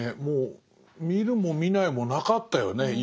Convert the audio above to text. もう見るも見ないもなかったよね。